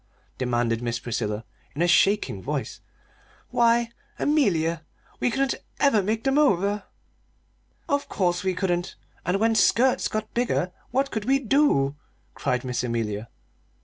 demanded Miss Priscilla, in a shaking voice. "Why, Amelia, we couldn't ever make them over!" "Of course we couldn't! And when skirts got bigger, what could we do?" cried Miss Amelia.